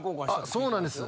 そうなんです。